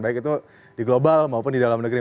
baik itu di global maupun di dalam negeri